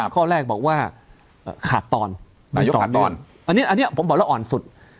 ข้อแรกบอกว่าขาดตอนไม่ต่อเนื่องอันนี้ผมบอกแล้วอ่อนสุด